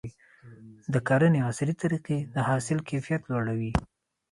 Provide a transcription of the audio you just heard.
د کرنې عصري طریقې د حاصل کیفیت لوړوي.